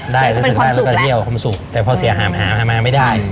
ได้รู้สึกว่าเราก็เยี่ยวความสุขแต่พอเสียหามไม่ได้